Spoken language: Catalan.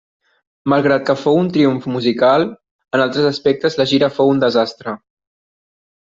Malgrat que fou un triomf musical, en altres aspectes la gira fou un desastre.